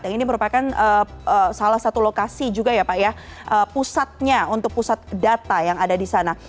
yang ini merupakan salah satu lokasi juga ya pak ya pusatnya untuk pusat data yang ada di sana